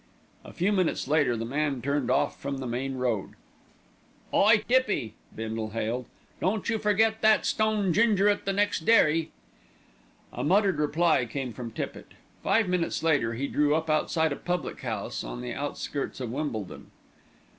A few minutes later the man turned off from the main road. "Hi! Tippy," Bindle hailed, "don't you forget that stone ginger at the next dairy." A muttered reply came from Tippitt. Five minutes later he drew up outside a public house on the outskirts of Wimbledon.